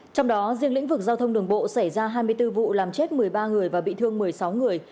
trong đó riêng lĩnh vực giao thông đường bộ xảy ra hai mươi bốn vụ làm chết một mươi ba người và bị thương một mươi sáu người